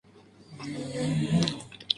Weber nació en Londres, Inglaterra.